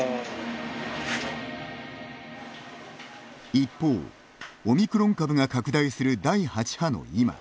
一方、オミクロン株が拡大する第８波の今。